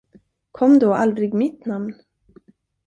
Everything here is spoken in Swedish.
Kom då aldrig mitt namn?